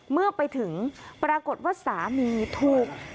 เมื่อไปถึงปรากฏว่าสามีถูก